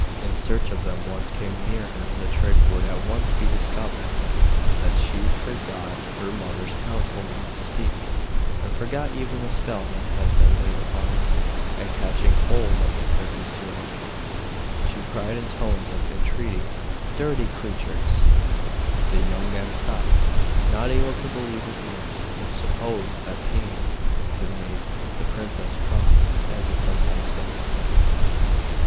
This so frightened the pretended wife, who knew that if the physicians once came near her the trick would at once be discovered, that she forgot her mother's counsel not to speak, and forgot even the spell that had been laid upon her, and catching hold of the prince's tunic, she cried in tones of entreaty: 'Dirty creatures!' The young man stopped, not able to believe his ears, but supposed that pain had made the princess cross, as it sometimes does.